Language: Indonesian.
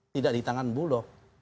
tidak di tangan bulog